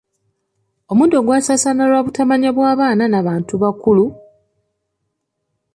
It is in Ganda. Omuddo gwasaasaana olw'obutamanya bw'abaana n'abantu abakulu.